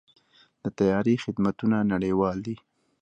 د طیارې خدمتونه نړیوال دي.